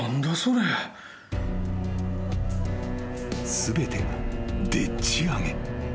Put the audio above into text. ［全てがでっち上げ］